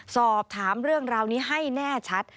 สอบถามเรื่องราวนี้ให้แน่ชัด